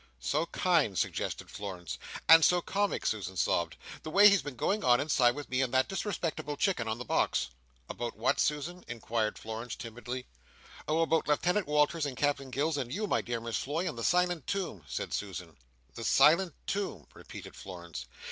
"So kind," suggested Florence. "And so comic!" Susan sobbed. "The way he's been going on inside with me with that disrespectable Chicken on the box!" "About what, Susan?" inquired Florence, timidly. "Oh about Lieutenant Walters, and Captain Gills, and you my dear Miss Floy, and the silent tomb," said Susan. "The silent tomb!" repeated Florence.